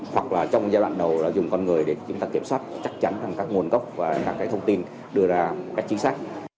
hoặc là trong giai đoạn đầu là dùng con người để chúng ta kiểm soát chắc chắn các nguồn gốc và các thông tin đưa ra các chính sách